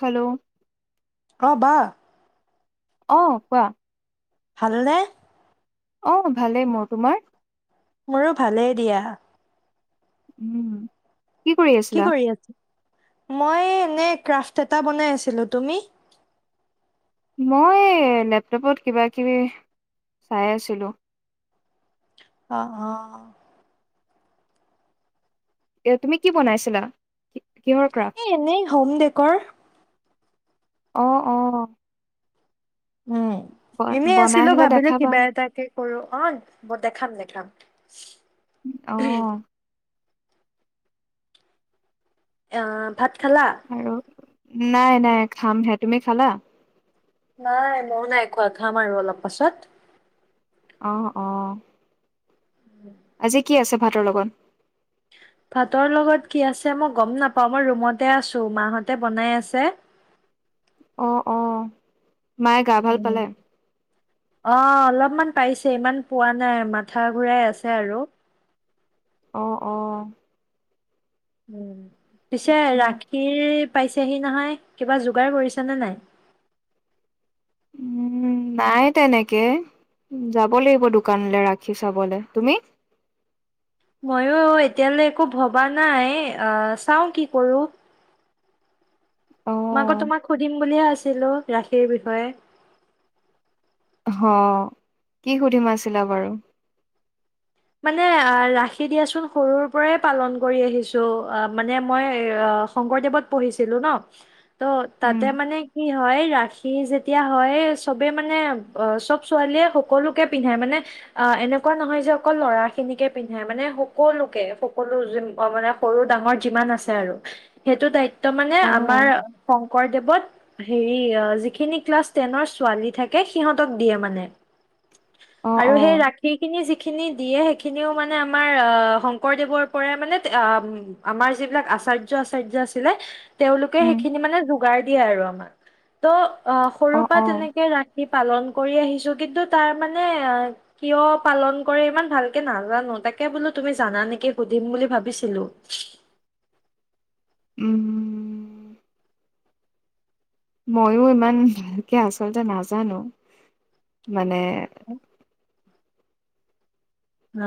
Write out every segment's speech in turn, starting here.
Hello হ'ব অঁ কোৱা ভালনে অ ভালেই মোৰ তোমাৰ মোৰো ভালেই দিয়া উম কি কি আছিলা কৰি আছে মই এনে ক্ৰাফট এটা বনাই আছিলো। তুমি? মই লেপটপত কিবা কিবি অ অ। এ তুমি কি বনাইছিলা? কিহৰ ক্ৰাফ্ট এ এনেই হম দেকৰ। অ অ। উম, ব- এনেই বনাই আছিলো হলে ভাবিলো দেখাবা কিবা এটাকে, [unintelligible] দেখাম দেখাম। অ। অহ ভাত খালা? আৰু নাই নাই খাম হে। তুমি খালা? নাই ময়ো নাই খোৱা, খাম আৰু অলপ পাছত। অ অ। আজি, কি আছে ভাতৰ লগত? ভাতৰ লগত কি আছে মই গম নাপাওঁ, মই ৰুমতে আছো। মাহঁতে বনাই আছে। অ অ। মায়ে গা ভাল উম। পালে? অ অলপমান পাইছে, ইমান পোৱা নাই মাথা ঘুৰাই আছে আৰু। অ অ। উম। পিছে তাকে ৰাশিৰ - পাইছেহি নহয়, কিবা যোগাৰ কৰিচানে নাই? উম নাই তেনেকে, যাব লাগিব দোকানলৈ ৰাখি চাবলে। তুমি? মইয়ো এতিয়ালৈ একো ভবা নাই, আহ চাওঁ কি কৰো। মই আকৌ অ তোমাক সুধিম বুলিয়ে আছিলো ৰাশিৰ বিষয়ে। হ, কি সুধিম আছিলা বাৰু? মানে ৰাশি দিয়াচোন সৰুৰ পৰাই পালন কৰি আহিছো, অহ মানে মই শংকৰদেৱত পঢ়িছিলো ন। ত' উম তাতে মানে কি হয় ৰাখি যেতিয়া, হয়। চবে মানে অ চব ছোৱালীয়ে সকলোকে পিন্ধাই, মানে অ এনেকুৱা নহয় যে, অকল ল'ৰা খিনিকে পিন্ধে, মানে সকলোকে সকলো মানে সৰু ডাঙৰ যিমান আছে আৰু সেইটো দায়িত্ব - মানে অ আমাৰ - শংকদেৱত হেৰি যিখিনি ক্লাছ টেনৰ ছোৱালী থাকে, সিহঁতক দিয়ে মানে। অ আৰু অ সেই ৰাশি খিনি যি, খিনি দিয়ে, সেইখিনিও মানে আমাৰ আহ শংকৰদেৱৰ পৰাই মানে, আমাৰ যিবিলাক আচাৰ্য আচাৰ্য আছিলে, তেওঁলোকে উম সেইখিনি মানে, গ দিয়ে আৰু আমাক। ত' অ সৰুৰ পৰা তেনেকে ৰাশি, পালন কৰি আহিছো কিন্তু তাৰ মানে কিয় পালন। ইমান ভালকে নাজানো তাকে বোলো তুমি জানা নেকি সুধিম বুলি ভাবিছিলো। উম উম উম। ময়ও ইমান, ভালকে আচলতে নাজানো মানে। উম।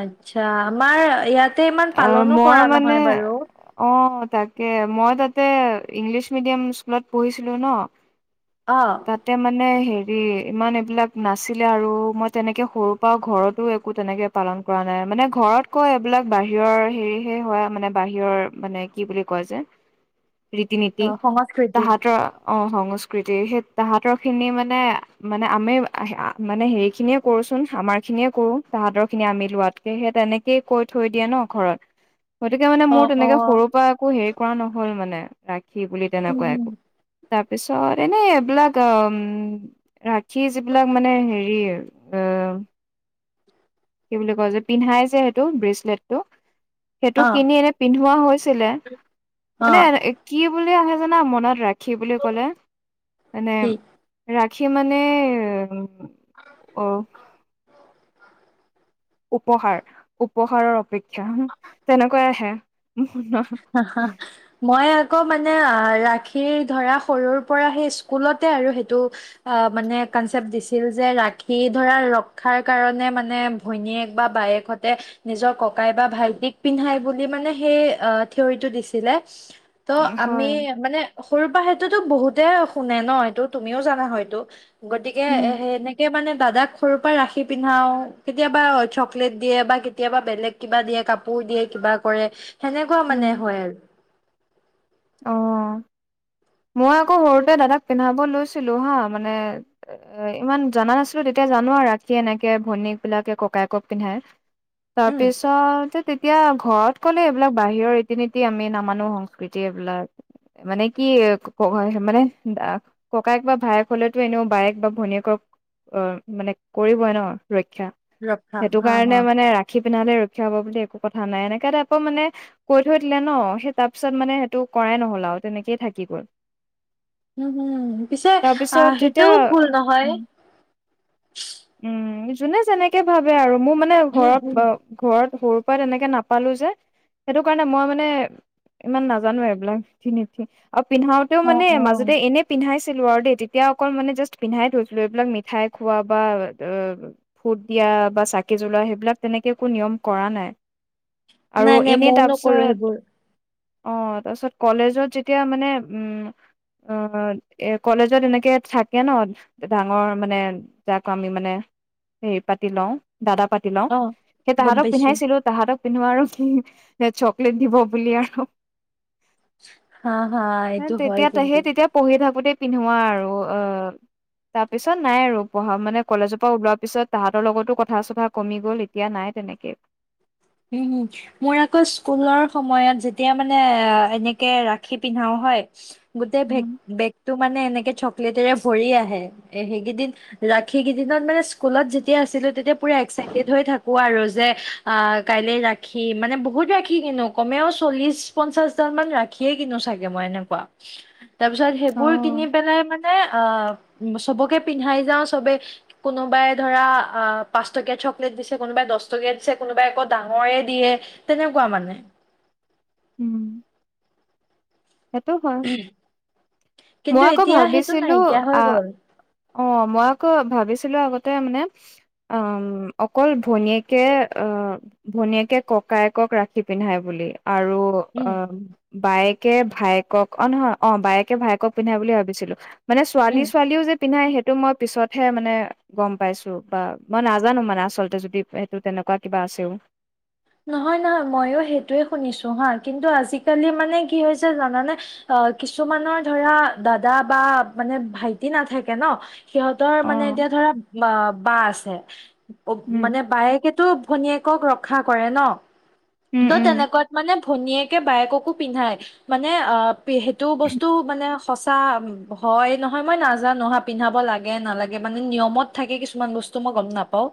আচ্ছা আমাৰ ইয়াত। অ মই মানে, অ তাকে মই তাত। ইংলিছ মিডিয়াম স্কুলত পঢ়িছিলো ন। অ তাতে মানে হেৰি। ইমান এইবিলাক নাছিলে আৰু মই তেনেকে সৰুৰ পৰাও ঘৰতো একো তেনেকে পালন কৰা নাই মানে ঘৰত কয় এইবিলাক বাহিৰৰ হেৰিহে হয় মানে বাহিৰৰ মানে কি বুলি কয় যে। ৰীতি অ নীতি সংস্কৃতি তাহাঁত। অ সংস্কৃতি। তে সেই তাহাঁতৰ খিনি মানে মানে আমি মানে হেৰি খিনিয়ে কৰোচোন আমাৰ খিনিয়ে কৰো তাহাঁতৰ খিনি আমি লোৱাতকে সেই তেনেকেই কৈ থৈ দিয়ে ন ঘৰত। গতিকে মানে অ মোৰ অ তেনেকে সৰুৰ পৰা আকৌ হেৰি। কৰা নহ'ল মানে ৰা। সি বুলি উম তেনেকুৱাই উম একো। তাৰ পিছত। এনেই এইবিলাক ৰাখি যিবিলাক মানে হেৰি। কি বুলি কয় যে পিন্ধাই যে সেইটো, ব্ৰেচলেটটো। সেইটো অ কিনি এনে পিন্ধোৱা হৈছিলে, অ মানে কি বুলি আহে। মনত ৰাখে। ৰাখি বুলি ক'লে মানে কি ৰা। খি মানে। অ'। উপহাৰ উপহাৰৰ অপেক্ষা। তেনেকৈ আহে। মই আকৌ মানে। ৰাখি ধৰা সৰুৰ পৰা সেই স্কুলতে আৰু সেইটো অ মানে কনচেপ্ট দিছিল যে ৰাখি ধৰা ৰক্ষাৰ কাৰণে মানে ভৈনীয়েক বা বায়েকহতে নিজৰ ককাই বা ভাইটিক পিন্ধাই বুলি মানে সেই। ঠিয়ৰিটো দিছিলে। ত আমি হয় মানে সৰু পৰা সেইটোতো বহুত। এ শুনে ন এইটো তুমিও জানা হয়তটো। গতিকে উম এ সেনেকে মানে। দাদাক সৰুৰ পৰা ৰাখি পিন্ধাও কেতিয়াবা, চকলেট দিয়ে বা কেতিয়াবা বেলেগ কিবা দিয়ে কাপোৰ দিয়ে কিবা কৰে, সেনে। এনেকুৱা উম মানে হয় আৰু। অ, মই আকৌ সৰুতে দাদাক পিন্ধাব লৈছিলো হা মানে ইমান জানা নাছিলো তেতিয়া জানো আৰু ৰাখি এনেকে ভনীয়েক বিলাকে। ককায়েকক পিন্ধাই উম। তাৰপিছত তেতিয়া। ঘৰত ক'লে এইবিলাক বাহিৰৰ ৰীতি নীতি আমি নামানো সংস্কৃতি। এইবিলাক মানে কি ক মানে ককায়েক বা ভায়েক হলেতো এনেও বায়েক বা ভনীয়েকক অ মানে কৰিবই ন। ৰক্ষা ৰভা সেইটো হা কাৰণে হা মানে ৰাখি পিন্ধালে ৰক্ষা হব বুলি একো কথা নাই এনেকা টাইপৰ মানে কৈ থৈ দিলে ন সেই তাৰ পিছত মানে টো কৰাই নহ'ল আৰু তেনেকেই থাকি গ'ল। উম হুম পিছে, তাৰপিছত আহ তেতিয়া সেইটোও ভুল নহয়। উম উম যোনে যেনেকে ভাবে আৰু। মোৰ মানে উম ঘৰত উম ঘৰত সৰুৰ পৰা তেনেকে নাপালো যে, সেইটো কাৰণে মই মানে ইমান নাজ নাজানো এইবিলাক। আৰু পিন্ধাওঁতেও অ মানে অ মাজতে ইনেই পিন্ধাই চা চিলোঁ আৰু দেই, তেতিয়া অকল মান যাষ্ট পিন্ধাই থৈছিলো, এইবিলাক মিঠাই খোৱা বা অ অ ফুট দিয়া বা চাকি জলোৱা সেইবিলাক তেনেকে একো নিয়ম কৰা নাই। আৰু নাই নাই এনেই ময়ো নকৰো তাৰপিছত সেইবোৰ। অ তাৰপিছত কলেজত যেতিয়া মানে উম অ এ কলেজত এনেকৈ থাকে ন ডাঙৰ মানে যাক আমি মানে হেৰি পাতি লওঁ। দাদা পাতি লওঁ, অ সেই গম তাহাঁতক পাইছো পিন্ধাইছিলো তাহাঁতক পিন্ধো আৰু কি চকলেট দিব বুলি আৰু। হা হা এইটো হয় তেতিয়া কিন্তু সেই তেতিয়া পঢ়ি থাকো। কাপুতেই পিন্ধোৱা আৰু তাৰপিছত নাই আৰু পঢ়া মানে কলেজৰ পৰা ওলোৱাৰ পিছত তাহাঁতৰ লগতো কথা চথা কমি গ'ল এতিয়া নাই তেনেকৈ। উম হুম, মোৰ আকৌ স্কুলৰ সময়ত যেতিয়া মানে এনেকে ৰাখি পিন্ধাও হয় গোটে বেক উম বেক তু মানে এনেকে চকলেটেৰে ভৰি আহে, এ সেইকেইদিন ৰাখি কেইদিনত মানে স্কুলত যেতিয়া আছিলো তেতিয়া পুৰা এক্সাইটেড হৈ থাকো আৰু যে আহ কাইলে ৰাখি মানে বহুত ৰাখি কিনো কমেও চল্লিশ পঞ্চাশডাল মান ৰাখিয়ে কিনো চাগে মই এনেকুৱা। তাৰ পিছত অ সেইবোৰ কিনি পেলাই মানে অ, চবকে পিন্ধাই যাওঁ চবে, কোনোবাই ধৰা অ পাঁচ টকীয়া চকলেট দিছে, কোনোবাই দচ টকীয়া দিছে, কোনোবাই অকৌ ডাঙৰে দিয়ে তেনেকুৱা মানে। উম। সেইটো হয়, মই কিন্তু আকৌ এতিয়া সেইটো ভাবিছিলোঁ নাইকিয়া হৈ আহ গ'ল অ মই আকৌ ভাবিছিলো আগতে মানে, অ অকল ভনীয়েকে, অ ভনীয়েকে ককায়েকক ৰাখি পিন্ধাই বুলি। আৰু অ উম বাইক বাইকে ভায়েকক অ নহয় অ বায়েকে ভায়েকক পিন্ধাই বুলি ভাবিছিলো। মানে ছোৱালী উম ছোৱালীও যে পিন্ধাই সেইটো মই পিছতহে মানে গম পাইছো বা মই নাজানো মানে আচলতে যদি সেইটো তেনেকুৱা কিবা আছেও। নহয় নহয় ময়োঁ সেইটোয়ে শুনিছো হা কিন্তু আজিকালি মানে কি হৈছে জানানে, অ কিছুমানৰ ধৰা দাদা বা মানে ভাইটি নাথাকে ন, সিহঁতৰ অ মানে এতিয়া ধৰা বা আছে উম মানে বায়েকেতো ভনীয়েক ক ৰক্ষা কৰে ন। উম তই উম তেনেকোৱাত মানে ভনীয়েকে বায়েককো পিন্ধাই মানে অঁ সেইটো বস্তু মানে সঁচা হয় নহয় মই নাজানো হাঁ পিন্ধাব লাগে নালাগে মানে নিয়মত থাকে কিছুমান বস্তু মই গম নাপাওঁ।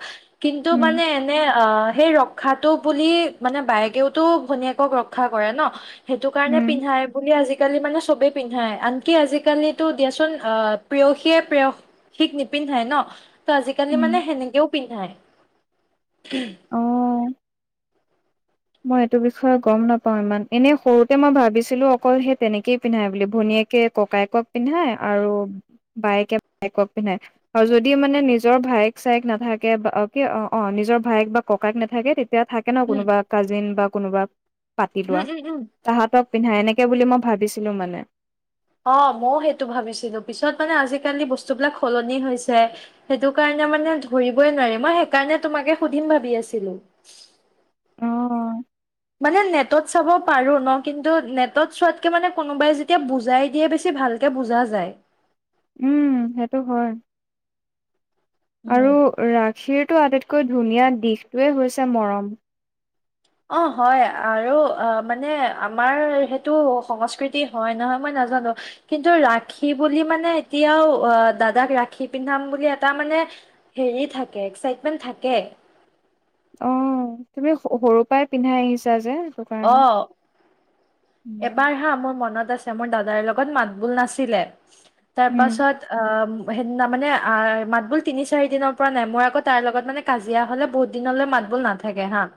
কিন্তু উম মানে এনে অহঁ। সেইৰক। ৰখাটো বুলি মানে বায়েকেওতো ভনীয়েকক ৰক্ষা কৰে ন। সেইটো কাৰণে উম পিন্ধাই বুলি আজি। আজিকালি মানে চবেই পিন্ধায় আনকি আজিকালিটো দিয়াচোন আহ, প্ৰেয়সীয়ে প্ৰেয়সীক নিপিন্ধায় নহঁ তহ আজিকালি উম মানে সেনেকেও পিন্ধায়। উহ। অ মই এইটো বিষয়ে গম নাপাওঁ ইমান এনেই সৰুতে মই ভাবিছিলো অকল সেই তেনেকেই পিন্ধায় বুলি ভনীয়েকে ককায়েকক পিন্ধায় আৰু বায়েকে ভায়েকক পিন্ধায় আৰু যদি মানে নিজৰ ভায়েক চায়েক নাথাকে বা কি অ অ নিজৰ ভায়েক বা ককায়েক নাথাকে। এতিয়া থাকে নহঁ উম কোনোবা। বা কোনোবা। পাতি উম লোৱা উম উম তাহাঁতক পিন্ধাই এনেকে তাকে বুলি মই ভাবিছিলো মানে। অ মইওঁ সেইটো ভাবিছিলো পিছত মানে আজিকালি বস্তুবিলাক সলনি হৈছে, সেইটো কাৰণে মানে ধৰিবই নোৱাৰি মই সেইকাৰণে তোমাকে সুধিম ভাবি আছিলোঁ। অ মানে নেটত চাব পাৰোঁ নহঁ কিন্তু নেটত চোৱাতকে মানে কোনোবাই যেতিয়া বুজাই দিয়ে বেছি ভালকে বুজা যায়। উম সেইটো হয়। আৰু উম ৰাগ। শীৰটো আটাইতকৈ ধুনীয়া দিশটোৱে হৈছে মৰম। অ হয় আৰু মানে আমাৰ সেইটো সংস্কৃতি হয় নহয় মই নাজানো কিন্তু ৰাখী বুলি মানে এতিয়াও দাদাক ৰাখি পিন্ধাম বুলি এটা মানে হেৰি থাকে এক্সাইটমেন্ট থাকে। অ তুমি সৰু পৰাই পিন্ধাই আহিছা যে। সেইটোকাৰণে। অ এবাৰ হা মোৰ মনত আছে। মোৰ দাদাৰ লগত মাত বোল নাছিলে। তাৰ উম, পাছত অহঁ। সেইদিনা মানে মাত বোল তিনি চাৰি দিনৰ পৰা নাই মই আকৌ তাইৰ লগত মানে কাজিয়া হলে বহুত দিনলৈ মাত বোল নাথাকে হাঁ।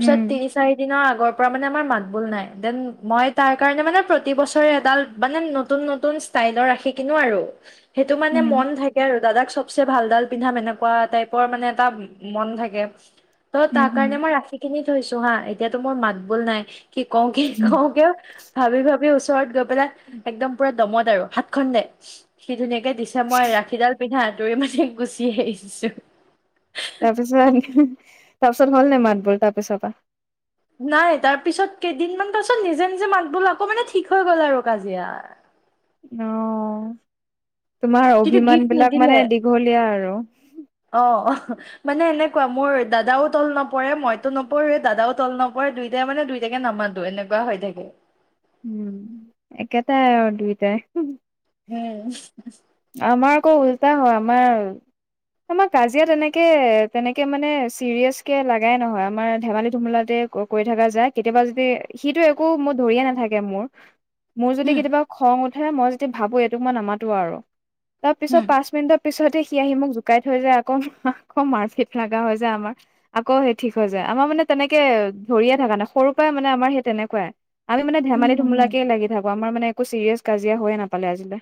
উম, তিনি চাৰি দিনৰ আগতঁ। আগৰ পৰা মানে আমাৰ মাত বোল নাই দেন। মই তাৰ কাৰণে মানে প্ৰতি বছৰে এডাল মানে নতুন নতুন ষ্টাইলৰ ৰাখি কিনো আৰু- সেইটো মানে উম, মন থাকে আৰু দাদাক চব-। চবছে ভালডাল পিন্ধাম এনেকুৱা টাইপৰ মানে এটা মন থাকে। তহঁ উম, তাৰ কাৰণে মই ৰাখি খিনি থৈছো হাঁ। এতিয়াতো মোৰ মাত বোল নাই। কি কওঁ কি? হুম। কওঁ কিয়, ভাবি ভাবি। ওচৰত গৈ পেলাই একদম পুৰা, দমত আৰু হাত খ দে সি ধুনীয়াক। দিছে মই ৰাখীডাল পিন্ধা। তে মজি গুচি আহিছো। তাৰপিছত তাৰপিছত হ'ল ন মাতবোৰ তাৰ পিছত। নাই তাৰ পিছত কেইদিনমান পাছত নিজে নিজে মাত বোল আকৌ মানে ঠিক হৈ গ'ল আৰু কাজিয়া। আহ। তোমাৰ কিন্তু অভিমান গিফ্ট বিলাক নিদিলে মানে দীঘলীয়া আৰু। অ', মানে এনেকুৱা মোৰ দাদাও তল নপৰে মইতো নপৰোৱে দাদাও তল নপৰে দুইটাই মানে দুইটাকে নামাতো এনেকুৱা হৈ থাকে। উম একেটাই দুইটাই। উম। আমাৰ আকৌ উল্টা হয় আমাৰ আমাৰ, কাজিয়া তেনেকে তেনেকে মানে চিৰিয়াছকে লাগাই নহয় আমাৰ ধেমালি ধুমলাতে কৰি থকা যায় কেতিয়াবা যদি সিটো একো ম ধৰিয়ে নাথাকে মোৰ। মোৰ যদি হম, কেতিয়াবা খং। তথে মই যতিদি ভাবো এইটোক মই নামাতো আৰু। তাৰ পিছত হম, পাঁচ মিনিটৰ পিছতে। আহি মোক জোকাই থৈ যায় আকৌ, আকৌ মাৰপিট লগা হৈ যায় আমাৰ আকৌ সেই ঠিক হৈ যায় আমাৰ মানে তেনেকে ধৰিয়ে থকা নাই সৰুৰ পৰাই মানে আমাৰ সেই তেনেকুৱাই। আমি মান হম, ধমি হম, ধুমলাকে লাগি থাকো আমাৰানে। একো ছিৰিয়েছ কাজিয়া হৈয়ে নাপালে আজিলে।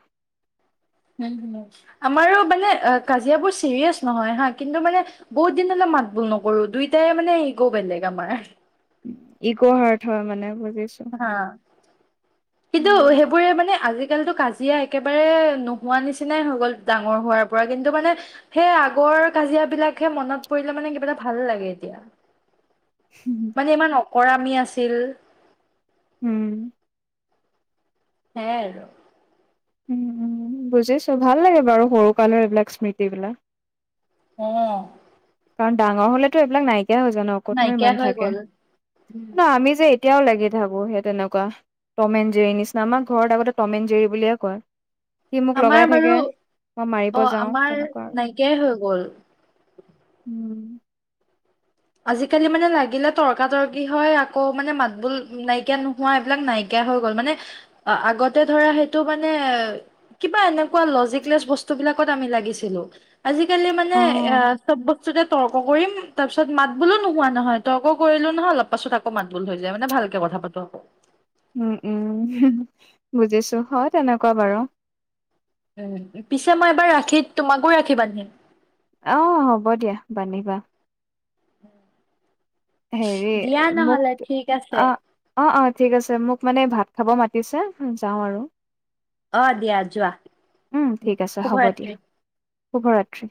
আমাৰো মানে কাজিয়াবোৰ চিৰিয়াছ নহয় হা কিন্তু মানে বহুত দিন হলে মাত বোল নকৰো দুইটাই মানে ইগ বেলেগ আমাৰ। ইকো হাৰ্ট হয় মানে। বুজিছো। হা, কিন্তু উম, সেইবোৰে মানে আজল। আজিকালিতো কাজিয়া একেবাৰে নোহোৱা নিচিনাই হৈ গ'ল ডাঙৰ হোৱাৰ পৰা কিন্তু মানে, সেই আগৰ কাজিয়া বিলাকহে মনত পৰিলে মানে কিবা এটা ভাল লাগে এতিয়া। মানে ইমান অকৰামি আছিল। উম। হ আৰু। উম উম বুজিছো ভাল লাগে বাৰু সৰু কালৰ এইবিলাক স্মৃতিবিলাক। আহ। কাৰণ ডাঙৰ হলেটো এইবিলাক নাই। এয়া হৈ জান অকতনো নাইকিয়া ইমান হৈ থাকে গ'ল উম, ন, আমি যে কেতিয়াও লাগি থাবো সেই তেনেকুৱা টমেন জিৰৰি নিচিনা আমাক ঘৰত আগতে টমেন জিৰি বুলিয়ে কয়। সি মোক আমাৰ লগাই বাৰু, থাকে মই মাৰিব অ যাওঁ আমাৰ তেনেকুৱা আৰু নাইকিয়াই হৈ গ'ল। উম আজিকালি মানে লাগিলে তৰ্কাতৰ্কি হয় আকৌ মানে মাতবোল নাইকিয়া নোহোৱা এইবিলাক নাইকিয়া হৈ গল মানে আগতে ধৰা সেইটো মানে কিবা এনেকুৱা লজিকলেছ বস্তুবিলাকত আমি লাগিছিলো। আজিকালি মানে অ চব। তে তৰ্ক কৰিম তাৰপিছত। পাছত মাত বোলো নোহোৱা নহয় তইকো কৰিলো নহয় অলপ পাছত আকৌ মাত বো ধৈ যায় মানে ভালকে কথা পাতো আকৈ। উম উম, বুজিছো হয় তেনেকুৱা বাৰু। উ পিছে মই এবাৰ ৰাখিত তোমাকো ৰাখী বান্ধিম। আহ হ'ব দিয়া বান্ধিবা। উম। হেৰি মোক আছে অ, অ অ। ঠিক আছে মোক মানে ভাত খাব মাতিছে যাওঁ আৰু। অ দিয়া যোৱা উম ঠিক আছে হ'ব দিয়া শুভৰাত্ৰি। শুভৰাত্ৰি।